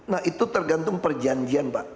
nah itu tergantung perjanjian pak